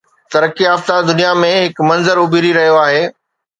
ترقي يافته دنيا ۾ هڪ منظر اڀري رهيو آهي.